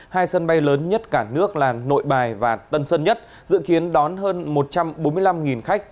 hai sân bay lớn nhất cả nước là nội bài và tân sơn nhất dự kiến đón hơn một trăm bốn mươi năm khách